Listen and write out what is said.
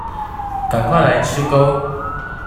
趕快來吃鉤